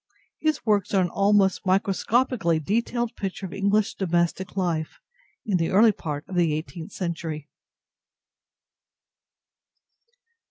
His works are an almost microscopically detailed picture of English domestic life in the early part of the eighteenth century.